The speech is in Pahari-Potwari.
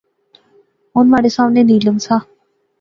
ہن مہاڑے ساونے نیلم سا